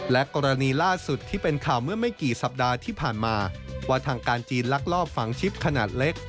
และกรณีล่าสุดที่เป็นข่าวเมื่อไม่กี่สัปดาห์ที่ผ่านมาว่าทางการจีนลักลอบฝังชิปขนาดเล็ก